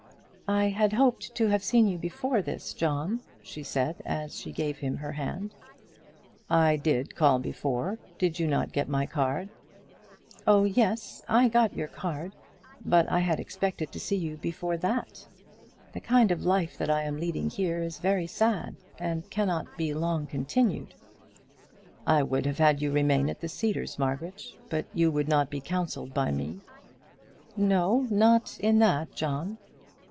"I had hoped to have seen you before this, John," she said, as she gave him her hand. "I did call before. Did you not get my card?" "Oh, yes; I got your card. But I had expected to see you before that. The kind of life that I am leading here is very sad, and cannot be long continued." "I would have had you remain at the Cedars, Margaret; but you would not be counselled by me." "No; not in that, John."